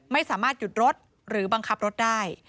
ไม่สามารถหยุดรถหรือบังคับรถได้